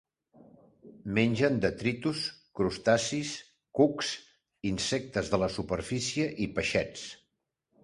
Mengen detritus, crustacis, cucs, insectes de la superfície i peixets.